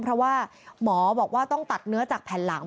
เพราะว่าหมอบอกว่าต้องตัดเนื้อจากแผ่นหลัง